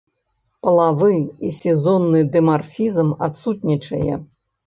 Палавы і сезонны дымарфізм адсутнічае.